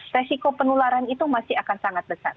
resiko penularan itu masih akan sangat besar